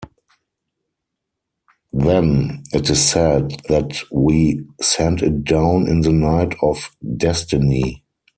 Then, it is said that We sent it down in the Night of Destiny.